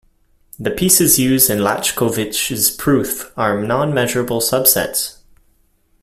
The pieces used in Laczkovich's proof are non-measurable subsets.